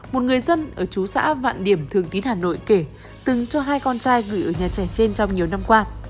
một người dân ở chú xã vạn điểm thường tín hà nội kể từng cho hai con trai gửi ở nhà trẻ trên trong nhiều năm qua